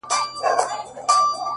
• سوداګر ته پیر ویله چي هوښیار یې ,